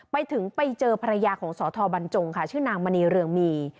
ไปถึงไปเจอภรรยาของสธบรรจงค่ะชื่อนางมณีเรืองมี